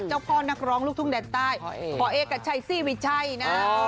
พ่อนักร้องลูกทุ่งแดนใต้พ่อเอกชัยซี่วิชัยนะ